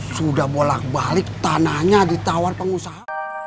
sudah bolak balik tanahnya ditawar pengusaha